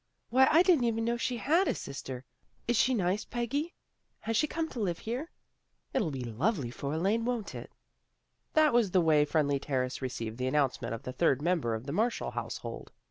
Why, I didn't even know she had a sister. Is she nice, Peggy? Has she come here to live? It'll be lovely for Elaine, won't it? " That was the way Friendly Terrace received the announcement of the third member of the Marshall household.